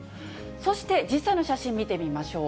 そして実際の写真見てみましょう。